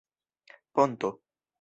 ponto